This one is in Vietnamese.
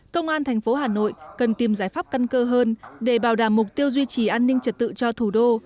công an thành phố hà nội cần tìm giải pháp căn cơ hơn để bảo đảm mục tiêu duy trì an ninh trật tự cho thủ đô